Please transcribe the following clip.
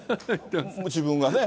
自分がね。